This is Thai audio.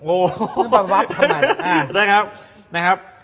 โอ้โหนะครับ